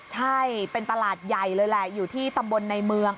ใช่เป็นตลาดใหญ่เลยแหละอยู่ที่ตำบลในเมือง